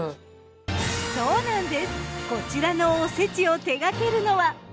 そうなんですこちらのおせちを手がけるのは。